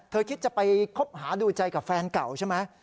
คิดจะไปคบหาดูใจกับแฟนเก่าใช่ไหม